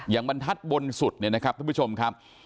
บรรทัศน์บนสุดเนี่ยนะครับท่านผู้ชมครับ